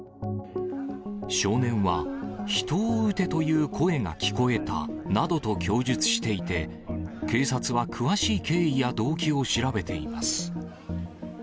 少年は、人を撃てという声が聞こえたなどと供述していて、警察は詳しい経緯や動機を調べています。